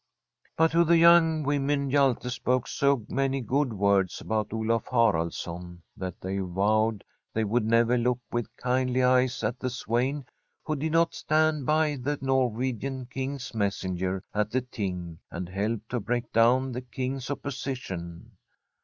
But to the young women Hjalte spoke so many good words about Olaf Haraldsson that they vowed they would never look with kindly eyes at the swain who did not stand by the Nor wegian King's messenger at the Ting and help to break down the King's opposition.